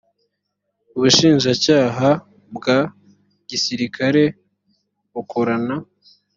ubushinjacyaha bwa gisirikare bukorana